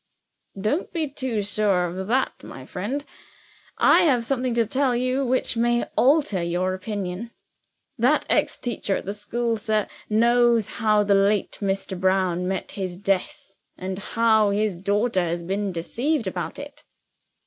"Don't be too sure of that, my friend. I have something to tell you which may alter your opinion. That ex teacher at the school, sir, knows how the late Mr. Brown met his death, and how his daughter has been deceived about it."